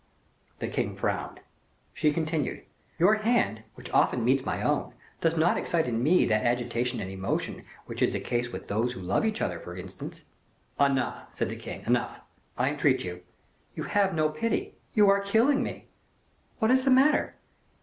The king frowned. She continued: "Your hand, which often meets my own, does not excite in me that agitation and emotion which is the case with those who love each other, for instance " "Enough," said the king, "enough, I entreat you. You have no pity you are killing me." "What is the matter?"